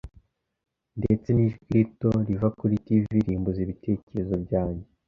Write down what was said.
Ndetse n'ijwi rito riva kuri TV rimbuza ibitekerezo byanjye.